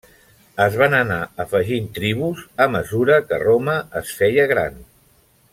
Es van anar afegint tribus a mesura que Roma es feia gran.